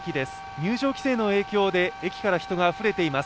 入場規制の影響で、駅から人があふれています。